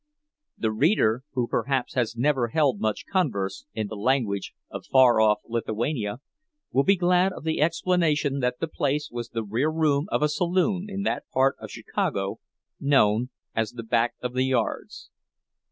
The reader, who perhaps has never held much converse in the language of far off Lithuania, will be glad of the explanation that the place was the rear room of a saloon in that part of Chicago known as "back of the yards."